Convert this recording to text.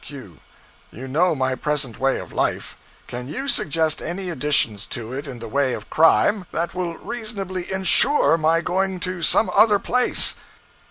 Q. You know my present way of life. Can you suggest any additions to it, in the way of crime, that will reasonably insure my going to some other place.